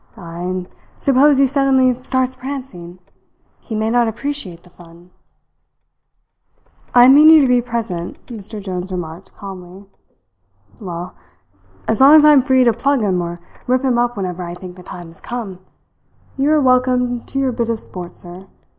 "Ay, and suppose he suddenly starts prancing. He may not appreciate the fun." "I mean you to be present," Mr. Jones remarked calmly. "Well, as long as I am free to plug him or rip him up whenever I think the time has come, you are welcome to your bit of sport, sir.